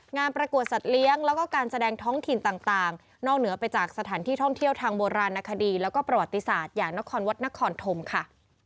งานประกวดสัตว์เลี้ยงแล้วก็การแสดงท้องถิ่นต่างนอกเหนือไปจากสถานที่ท่องเที่ยวทางโบราณคดีแล้วก็ประวัติศาสตร์อย่างนครวัดนครธมค่ะ